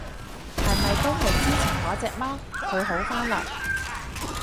係咪都係之前嗰隻貓？佢好返嘞？